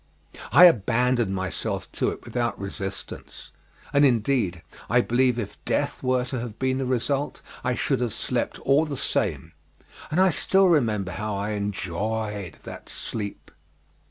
I abandoned myself to it without resistance, and indeed, I believe if death were to have been the result, I should have slept all the same, and I still remember how I enjoyed that sleep.